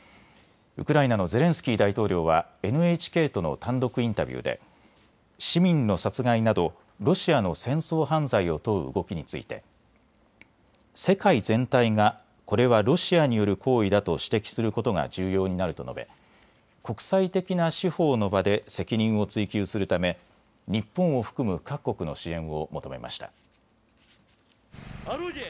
ウクライナのゼレンスキー大統領はＮＨＫとの単独インタビューで市民の殺害などロシアの戦争犯罪を問う動きについて世界全体がこれはロシアによる行為だと指摘することが重要になると述べ国際的な司法の場で責任を追及するため日本を含む各国の支援を求めました。